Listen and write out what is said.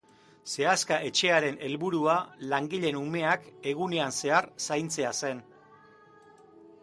Sehaska etxearen helburua langileen umeak egunean zehar zaintzea zen.